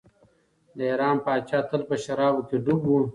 د ایران پاچا تل په شرابو کې ډوب و.